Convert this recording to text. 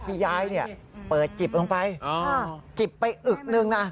ที่ยายเปิดจิบลงไปจิบไปอึกหนึ่งนะ